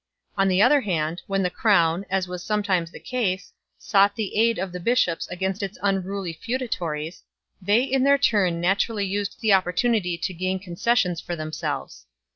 On the other hand, when the crown, as was some times the case, sought the aid of the bishops against its unruly feudatories, they in their turn naturally used the opportunity to gain concessions for themselves.